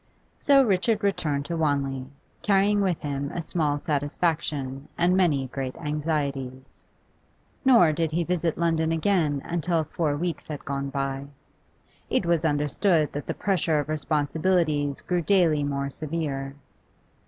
So Richard returned to Wanley, carrying with him a small satisfaction and many great anxieties. Nor did he visit London again until four weeks had gone by; it was understood that the pressure of responsibilities grew daily more severe.